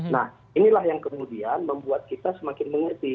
nah inilah yang kemudian membuat kita semakin mengerti